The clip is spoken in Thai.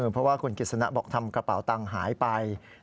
เพราะว่าคุณกิจสนะบอกทำกระเป๋าตังค์หายไป